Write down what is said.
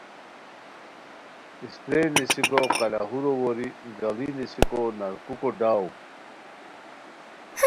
اسپرے نیسیکو قلاہورو ووری، گھڑی نیسیکو نرکوکو ڈاؤ